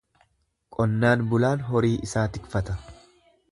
Qonnaan bulaan horii isaa tikfata.